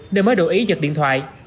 nên mới đổi ý giật điện thoại